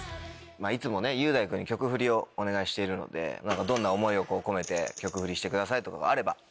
いつもね雄大君に曲フリをお願いしているのでどんな思いを込めて曲フリしてくださいとかあれば。